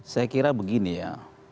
saya kira begini ya